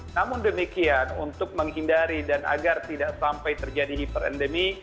namun demikian untuk menghindari dan agar tidak sampai terjadi hiperendemi